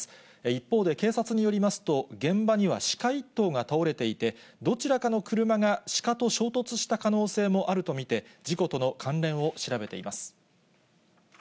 一方で、警察によりますと、現場には鹿１頭が倒れていて、どちらかの車が鹿と衝突した可能性もあると見て、事故との関連を調べています。